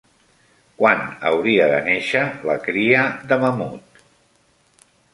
Quan hauria de néixer la cria de mamut?